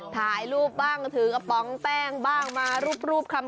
ถ่ายรูปบ้างถือกระป๋องแป้งบ้างมารูปคำ